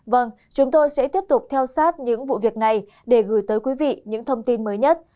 vâng chúng tôi sẽ tiếp tục theo sát những vụ việc này để gửi tới quý vị những thông tin mới nhất